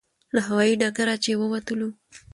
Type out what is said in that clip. له هوایي ډګره چې ووتلو.